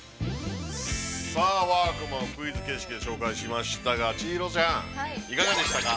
◆さあワークマン、クイズ形式で紹介しましたが、千尋ちゃん、いかがでしたか。